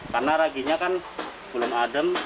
karena raginya kan belum adem masih berada di dalam